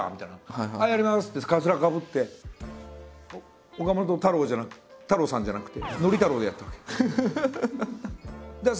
はいやりますってかつらかぶって岡本太郎じゃなく太郎さんじゃなくて憲太郎でやってるから。